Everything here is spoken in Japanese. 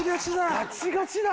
ガチガチだ！